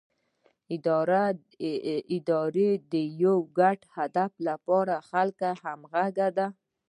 اداره د یو ګډ هدف لپاره د خلکو همغږي ده